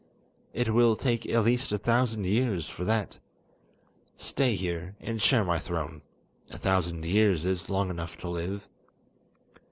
It will take at least a thousand years for that. Stay here, and share my throne; a thousand years is long enough to live!"